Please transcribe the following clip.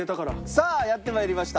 さあやって参りました。